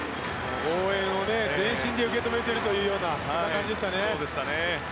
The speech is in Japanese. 応援を全身で受け止めているというような感じでしたね。